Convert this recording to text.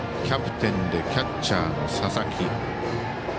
キャプテンでキャッチャーの佐々木。